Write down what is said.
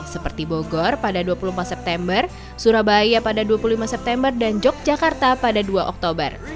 seperti bogor pada dua puluh empat september surabaya pada dua puluh lima september dan yogyakarta pada dua oktober